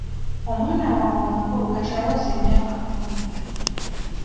Omwana wange omukulu kati aweza emyaka kkumi.